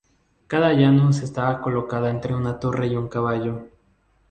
Cada janus está colocado entre una torre y un caballo.